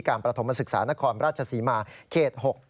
การประธมศึกษานครราชสีมาเขต๖